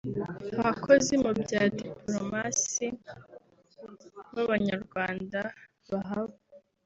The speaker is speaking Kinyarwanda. abakozi mu bya dipolomasi b’Abanyarwanda bahaba